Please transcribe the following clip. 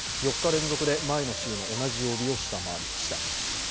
４日連続で前の週の同じ曜日を下回りました。